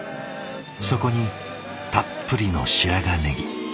そこにたっぷりの白髪ねぎ。